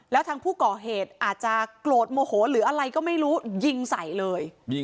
แล้วทางผู้ก่อเหตุอาจจะโกรธโมโหหรืออะไรก็ไม่รู้ยิงใส่เลย